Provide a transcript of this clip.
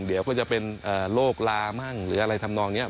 เดี๋ยวก็จะเป็นโรคลามั่งหรืออะไรทำนองนี้